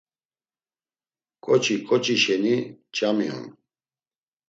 Ǩoçi ǩoçi şeni ç̌ami on!